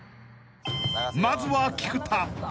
［まずは菊田］